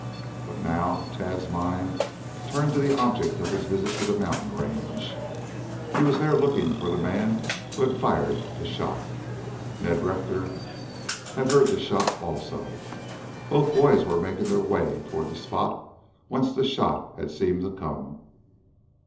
But now Tad's mind turned to the object of his visit to the mountain range. He was there looking for the man who had fired the shot. Ned Rector had heard the shot also. Both boys were making their way toward the spot whence the shot had seemed to come.